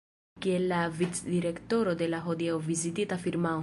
Kiel la vicdirektoro de la hodiaŭ vizitita firmao.